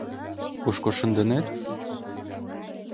Кушко шындынет?